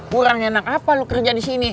kurang enak apa lo kerja di sini